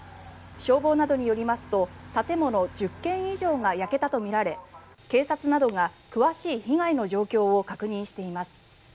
消防などによりますと建物１０軒以上が焼けたとみられ警察などが詳しい被害の状況を確認しています。